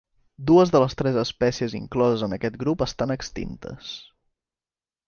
Dues de les tres espècies incloses en aquest grup estan extintes.